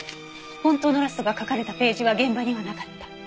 本当のラストが書かれたページは現場にはなかった。